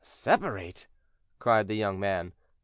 "Separate!" cried the young man.